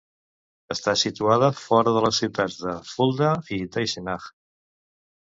Està situada fora de les ciutats de Fulda i d'Eisenach.